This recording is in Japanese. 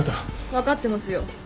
分かってますよ。